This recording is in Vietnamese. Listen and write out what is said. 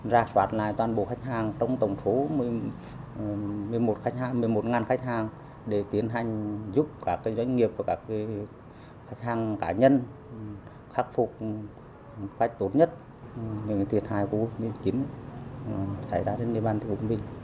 ra soát lại toàn bộ khách hàng trong tổng số